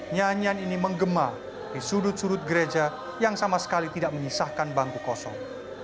nyanyian ini menggema di sudut sudut gereja yang sama sekali tidak menyisahkan bangku kosong